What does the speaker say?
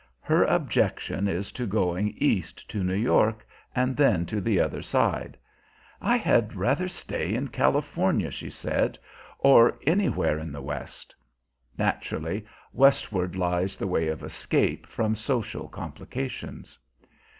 Her objection is to going east to New York, and then to the other side. "I had rather stay in California," she said, "or anywhere in the West." Naturally; westward lies the way of escape from social complications.